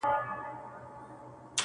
• انسان انسان ته زيان رسوي تل..